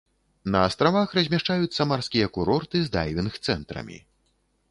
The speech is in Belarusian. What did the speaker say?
На астравах размяшчаюцца марскія курорты з дайвінг-цэнтрамі.